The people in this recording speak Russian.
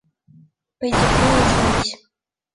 Пойди к ней и извинись.